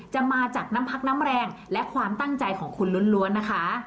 จะมาจากน้ำพักน้ำแรงและความตั้งใจของคุณล้วนนะคะ